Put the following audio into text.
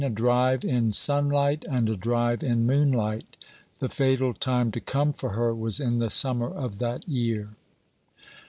A DRIVE IN SUNLIGHT AND A DRIVE IN MOONLIGHT The fatal time to come for her was in the Summer of that year.